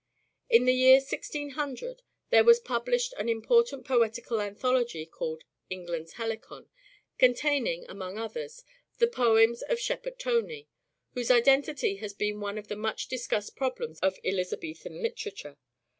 In the year 1600 there was published an important poetical anthology called " England's Helicon," containing, 308 " SHAKESPEARE " IDENTIFIED amongst others, the poems of '' Shepherd Tony," whose identity has been one of the much discussed problems of Elizabethan literature.